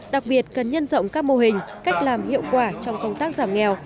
đặc biệt cần nhân rộng các mô hình cách làm hiệu quả trong công tác giảm nghèo